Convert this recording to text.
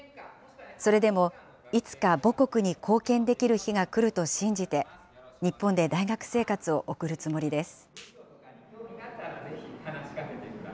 それでもいつか母国に貢献できる日が来ると信じて、日本で大学生活を送るつもりです。